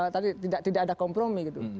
tadi tidak ada kompromi gitu